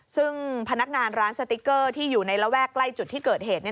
ซึ่งพนักงานร้านสติ๊กเกอร์ที่อยู่ในระแวกใกล้จุดที่เกิดเหตุ